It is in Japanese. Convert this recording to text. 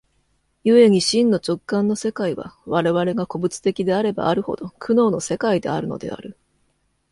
故に真の直観の世界は、我々が個物的であればあるほど、苦悩の世界であるのである。